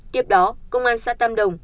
tiếp đó công an xã tâm đồng